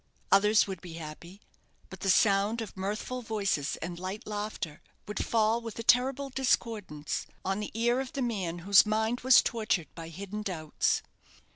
Others would be happy; but the sound of mirthful voices and light laughter would fall with a terrible discordance on the ear of the man whose mind was tortured by hidden doubts.